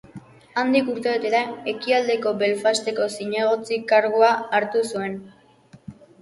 Handik urtebetera, Ekialdeko Belfasteko zinegotzi kargua hartu zuen.